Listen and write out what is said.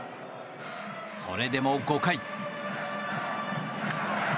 それでも５回。